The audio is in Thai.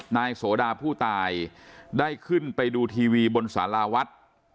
นายโสดาผู้ตายได้ขึ้นไปดูทีวีบนสาราวัด